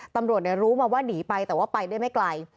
ตำรวจรู้มาว่าหนีไปแต่ว่าไปได้ไม่ไกล